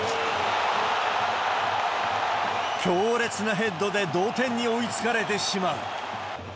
強烈なヘッドで、同点に追いつかれてしまう。